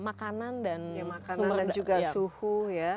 ya makanan dan juga suhu ya